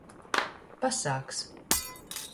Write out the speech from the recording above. Pasāgs.